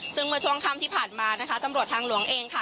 ซึ่งเมื่อช่วงค่ำที่ผ่านมานะคะตำรวจทางหลวงเองค่ะ